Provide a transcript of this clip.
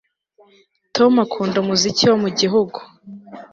Tom akunda umuziki wo mu gihugu